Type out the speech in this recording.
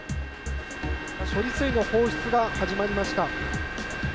処理水の放出が始まりました。